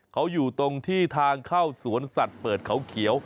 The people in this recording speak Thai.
เขาอยู่ตรงที่ทางเข้าสวนสัตว์เปิดเขาเขียว